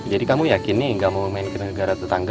jadi kamu yakin nih gak mau main ke negara tetangga